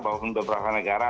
bahkan beberapa negara